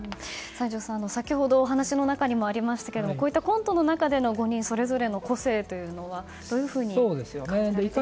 西条さん、先ほどのお話の中にもありましたけどコントの中での５人それぞれの個性というのはどういうふうに感じていますか。